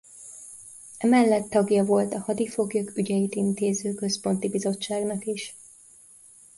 Emellett tagja volt a hadifoglyok ügyeit intéző Központi Bizottságnak is.